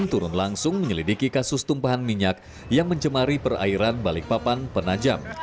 turun langsung menyelidiki kasus tumpahan minyak yang mencemari perairan balikpapan penajam